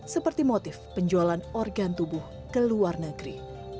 seperti motif penjualan organ tubuh ke luar negeri